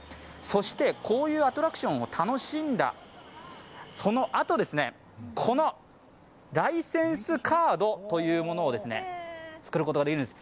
そして、こういうアトラクションを楽しんだ、そのあと、ライセンスカードというものを作ることができるんです。